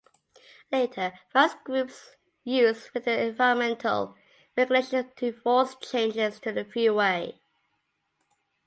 Later, various groups used federal environmental regulations to force changes to the freeway.